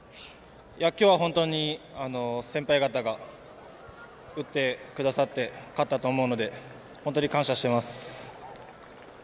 今日は本当に先輩方が打ってくださって勝ったと思うので本当に感謝しています。